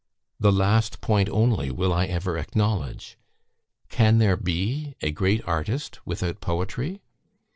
"The last point only will I ever acknowledge. "Can there be a great artist without poetry?